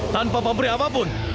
tanpa pamrih apapun